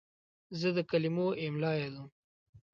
زه د کلمو املا یادوم.